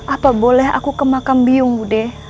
apa boleh aku ke makam biung bude